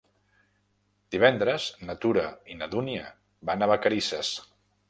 Divendres na Tura i na Dúnia van a Vacarisses.